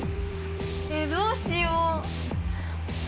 えどうしよう。